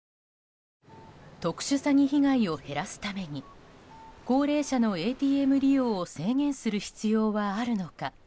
特殊詐欺被害を減らすために高齢者のＡＴＭ利用を制限する必要はあるのか。